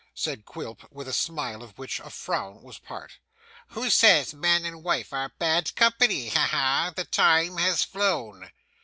said Quilp, with a smile of which a frown was part. 'Who says man and wife are bad company? Ha ha! The time has flown.